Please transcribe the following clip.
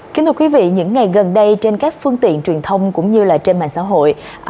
kính thưa quý vị những ngày gần đây trên các phương tiện truyền thông cũng như là trên mạng xã hội